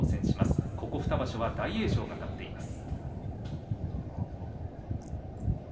ここ２場所は大栄翔が照ノ富士に勝っています。